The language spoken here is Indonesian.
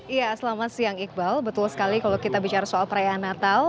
iya selamat siang iqbal betul sekali kalau kita bicara soal perayaan natal